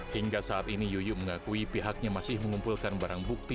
hingga saat ini yuyuk mengakui pihaknya masih mengumpulkan barang bukti